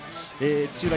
土浦